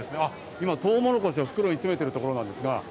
今、トウモロコシを袋に詰めているところです。